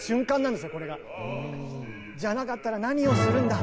じゃなかったら何をするんだ？